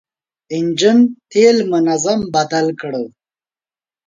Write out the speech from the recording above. انجن تېل منظم بدل کړه.